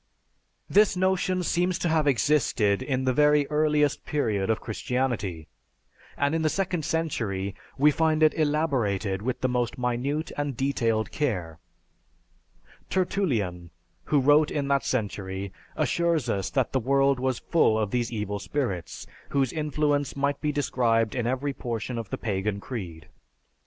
_) "This notion seems to have existed in the very earliest period of Christianity; and in the second century, we find it elaborated with the most minute and detailed care. Tertullian, who wrote in that century, assures us that the world was full of these evil spirits, whose influence might be descried in every portion of the pagan creed.